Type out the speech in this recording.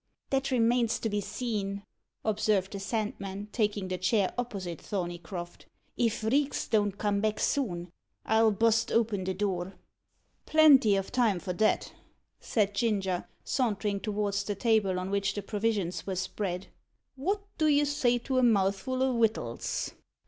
"That remains to be seen," observed the Sandman, taking the chair opposite Thorneycroft. "If Reeks don't come back soon, I'll bust open the door." "Plenty o' time for that," said Ginger, sauntering towards the table on which the provisions were spread; "wot do you say to a mouthful o' wittles?"